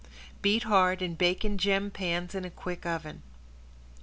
Beat hard and bake in gem pans in a quick oven.